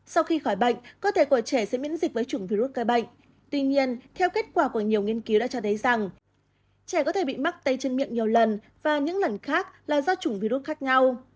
sau khi khỏi bệnh cơ thể của trẻ sẽ miễn dịch với chủng virus ca bệnh tuy nhiên theo kết quả của nhiều nghiên cứu đã cho thấy rằng trẻ có thể bị mắc tay chân miệng nhiều lần và những lần khác là do chủng virus khác nhau